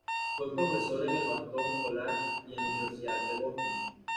Fue profesor en el Boston College y en la Universidad de Boston.